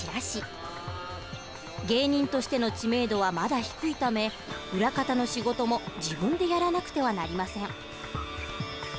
芸人としての知名度はまだ低いため裏方の仕事も自分でやらなくてはなりません。